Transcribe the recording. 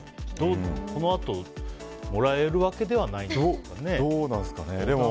このあともらえるわけではないですもんね。